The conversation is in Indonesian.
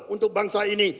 untuk bangsa ini